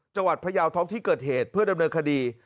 พยาวท้องที่เกิดเหตุเพื่อดำเนินคดี